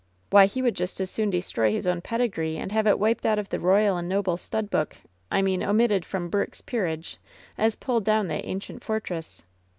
Why, he would just as soon destroy his own pedigree and have it wiped out of the royal and noble stud book — I mean, omitted from 'Burke's Peerage' — as pull down that ajicient fortress.